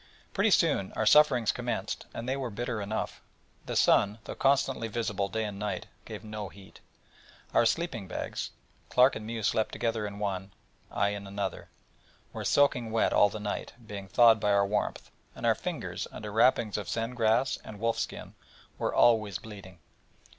Pretty soon our sufferings commenced, and they were bitter enough. The sun, though constantly visible day and night, gave no heat. Our sleeping bags (Clark and Mew slept together in one, I in another) were soaking wet all the night, being thawed by our warmth; and our fingers, under wrappings of senne grass and wolf skin, were always bleeding.